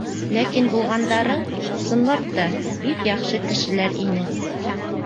Ләкин булғандары, ысынлап та, бик яҡшы кешеләр ине.